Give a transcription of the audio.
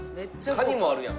カニもあるやん。